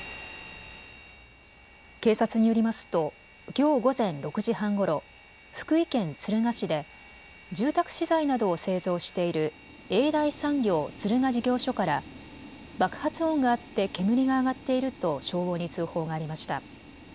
警察によりますときょう午前６時半ごろ、福井県敦賀市で住宅資材などを製造している永大産業敦賀事業所から爆発音があって煙が上がっていると消防に通報がありました。